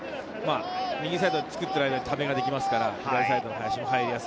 右サイドを作っている間にためができますから、林も入りやすい。